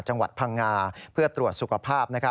จังหวัดพังงาเพื่อตรวจสุขภาพ